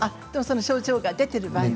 症状が出ている場合は。